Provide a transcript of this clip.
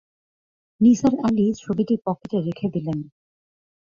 নিসার আলি ছবিটি পকেটে রেখে দিলেন।